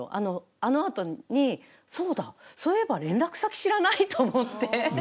あのあとに、そうだ、そういえば連絡先知らないと思って。